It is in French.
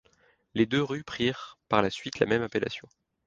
Les deux rues prirent par la suite la même appellation.